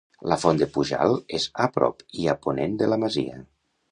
La Font de Pujalt és a prop i a ponent de la masia.